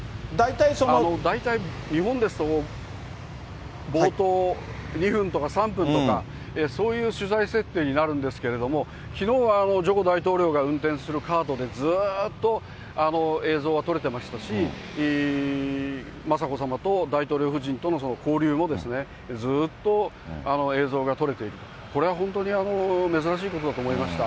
大体日本ですと、冒頭２分とか３分とか、そういう取材設定になるんですけれども、きのうはジョコ大統領が運転するカートで、ずーっと映像が撮れてましたし、雅子さまと大統領夫人との交流も、ずーっと映像が撮れている、これは本当に珍しいことだと思いました。